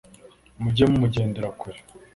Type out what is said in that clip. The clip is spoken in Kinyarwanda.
Mujye mumujyendera kure